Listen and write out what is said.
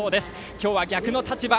今日は逆の立場。